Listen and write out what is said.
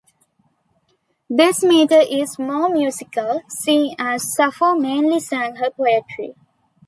This meter is more musical, seeing as Sappho mainly sang her poetry.